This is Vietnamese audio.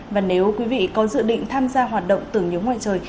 và nếu quý vị có dự định tham gia hoạt động tưởng nhớ ngoài trời